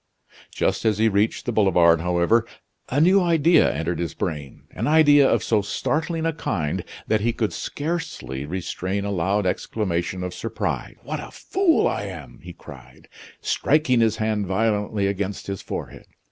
Just as he reached the boulevard, however, a new idea entered his brain, an idea of so startling a kind that he could scarcely restrain a loud exclamation of surprise. "What a fool I am!" cried he, striking his hand violently against his forehead.